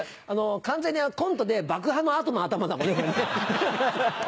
完全にコントで爆破の後の頭だもんねこれ。